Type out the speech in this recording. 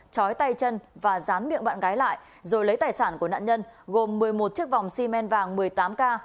chói tay chân và rán miệng bạn gái lại rồi lấy tài sản của nạn nhân gồm một mươi một chiếc vòng xi men vàng một mươi tám k